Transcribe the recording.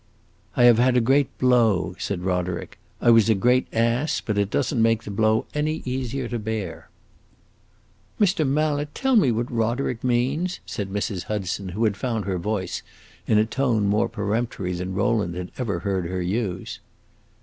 "I have had a great blow," said Roderick. "I was a great ass, but it does n't make the blow any easier to bear." "Mr. Mallet, tell me what Roderick means!" said Mrs. Hudson, who had found her voice, in a tone more peremptory than Rowland had ever heard her use.